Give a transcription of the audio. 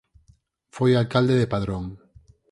Foi alcalde de Padrón.